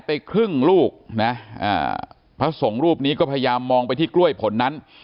ไปครึ่งลูกนะอ่าพระสงฆ์รูปนี้ก็พยายามมองไปที่กล้วยผลนั้น